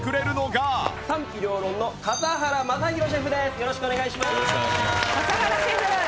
よろしくお願いします。